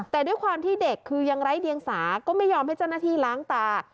แต่ด้วยความที่เด็กคือยังไร้เดียงสาก็ไม่ยอมให้เจ้าหน้าที่ล้างตา